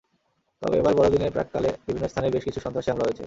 তবে এবারে বড়দিনের প্রাক্কালে বিভিন্ন স্থানে বেশ কিছু সন্ত্রাসী হামলা হয়েছে।